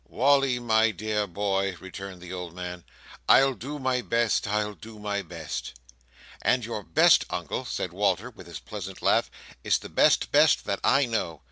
"Wally, my dear boy," returned the old man, "I'll do my best, I'll do my best." "And your best, Uncle," said Walter, with his pleasant laugh, "is the best best that I know.